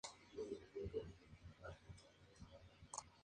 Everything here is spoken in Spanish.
El formato es igual al de la edición anterior.